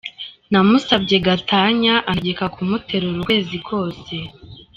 Namusabye gatanya antegeka kumuterura ukwezi kose